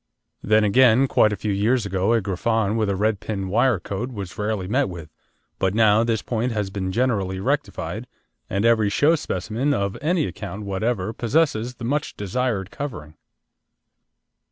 Then, again, quite a few years ago a Griffon with a red pin wire coat was rarely met with, but now this point has been generally rectified, and every show specimen of any account whatever possesses the much desired covering.